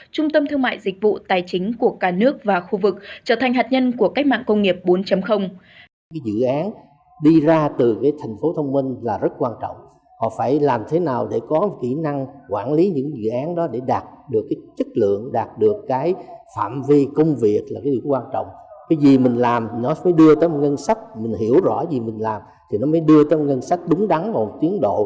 trung tâm thương mại dịch vụ tài chính của cả nước và khu vực trở thành hạt nhân của cách mạng công nghiệp bốn